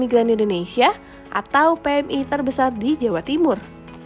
migran indonesia atau pmi terbesar di jawa timur